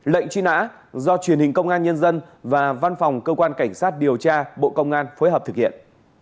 lệnh truy nã do truyền hình công an nhân dân và văn phòng cơ quan cảnh sát điều tra bộ công an phối hợp thực hiện